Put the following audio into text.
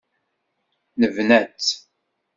Nebna-tt.